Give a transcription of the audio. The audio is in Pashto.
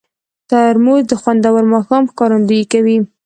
ترموز د خوندور ماښام ښکارندویي کوي.